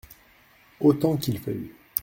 Autant qu’il veuille.